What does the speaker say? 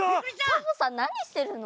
サボさんなにしてるの？